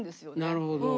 なるほど。